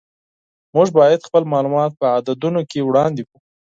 موږ باید خپل معلومات په عددونو کې وړاندې کړو.